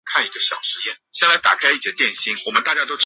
惠侨英文中学一直实行全方位的校本管理。